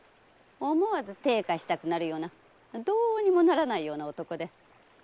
思わず手ぇ貸したくなるようなどうにもならないような男で。